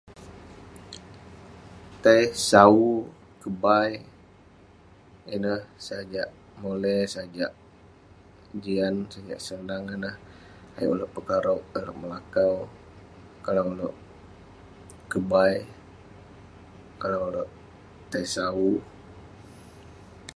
Tei sau, kebai. Ineh sajak mole, sajak jian, sajak sonang ineh. Ayuk ulouk pekarok, ayuk ulouk melakou. Kalau ulouk kebai, kalau ulouk tei sau.